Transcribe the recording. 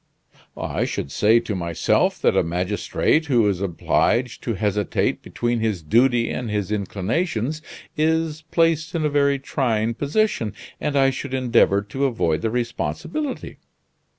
"I should say to myself that a magistrate who is obliged to hesitate between his duty and his inclinations, is placed in a very trying position, and I should endeavor to avoid the responsibility."